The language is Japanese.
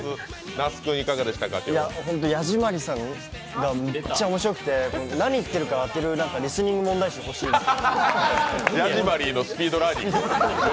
ヤジマリーさんがめっちゃ面白くて何言ってるか当てるリスニング問題集ほしいです。